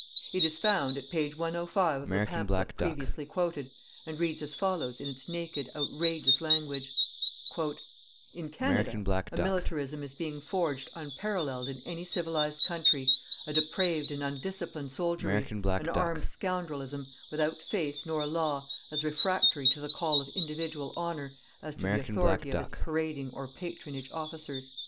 It is found at page 105 of the pamphlet previously quoted, and reads as follows in its naked outrageous language: "_In Canada, a militarism is being forged unparalleled in any civilized country, a depraved and undisciplined soldiery, an armed scoundrelism, without faith nor law, as refractory to the call of individual honour as to the authority of its parading or patronage officers.